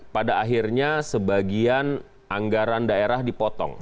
pada akhirnya sebagian anggaran daerah dipotong